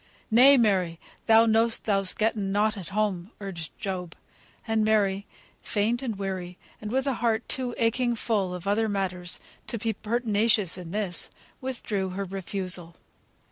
"Nay, Mary, thou know'st thou'st getten nought at home," urged Job. And Mary, faint and weary, and with a heart too aching full of other matters to be pertinacious in this, withdrew her refusal.